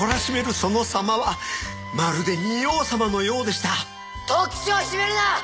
その様はまるで仁王さまのようでした東吉をいじめるな！